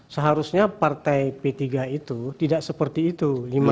seharusnya partai p tiga itu tidak seperti itu